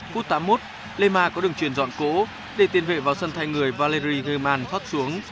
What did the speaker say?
phút tám mươi một leymar có đường truyền dọn cổ để tiến vệ vào sân thay người valery german thoát xuống